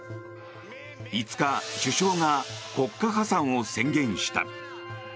５日、首相が国家破産を宣言した。